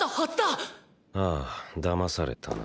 ああ騙されたな。